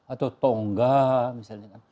atau tongga misalnya